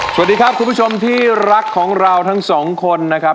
สวัสดีครับคุณผู้ชมที่รักของเราทั้งสองคนนะครับ